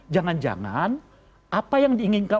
jangan jangan apa yang diinginkan